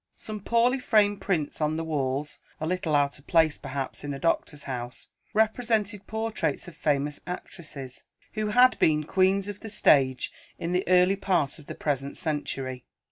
Some poorly framed prints on the walls (a little out of place perhaps in a doctor's house) represented portraits of famous actresses, who had been queens of the stage in the early part of the present century.